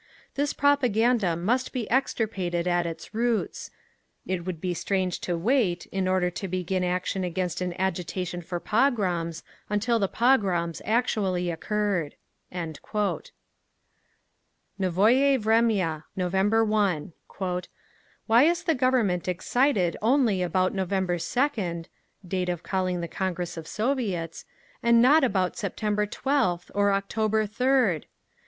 This propaganda must be extirpated at its roots; it would be strange to wait, in order to begin action against an agitation for pogroms, until the pogroms actually occurred…." Novoye Vremya, November 1. "… Why is the Government excited only about November 2d (date of calling of the Congress of Soviets), and not about September 12th, or October 3d?